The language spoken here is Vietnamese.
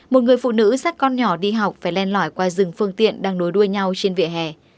một người phụ nữ sát con nhỏ đi học phải len lỏi qua rừng phương tiện đang nối đuôi nhau trên vỉa hè